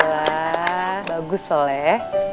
wah bagus soleh